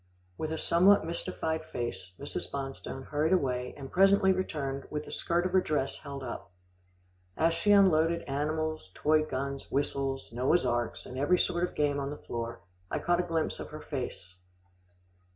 With a somewhat mystified face, Mrs. Bonstone hurried away and presently returned with the skirt of her dress held up. As she unloaded animals, toy guns, whistles, Noah's arks and every sort of game on the floor, I caught a glimpse of her face.